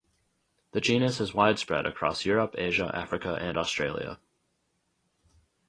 The genus is widespread across Europe, Asia, Africa, and Australia.